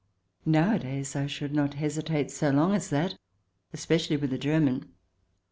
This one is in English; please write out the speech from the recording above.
Nowadays, I should not hesitate so long as that, especially with a German.